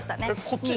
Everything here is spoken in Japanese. こっち？